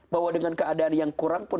bahwa dengan keadaan yang kurang pun